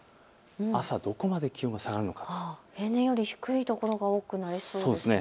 朝、どこまで気温が下がるのか、平年より低い所が多くなりそうですね。